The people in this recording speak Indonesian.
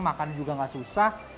makan juga enggak susah